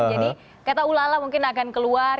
jadi kata ulala mungkin akan keluar